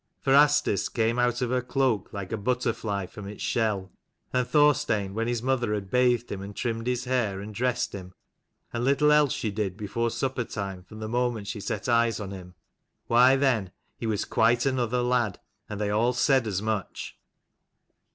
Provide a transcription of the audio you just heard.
For Asdis came out of her cloak like a butterfly from its shell ; and Thorstein, when his mother had bathed him and trimmed his hair and dressed him and little else she did before supper time from the moment she set eyes on him why then he was quite another lad, and they all said as much.